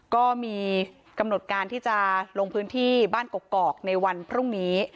ก็มีกำหนดการที่จะลงพื้นที่บ้านกกอกในวันพรุ่งนี้